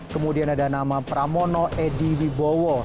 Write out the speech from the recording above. kemudian ada nama pramono edy wibowo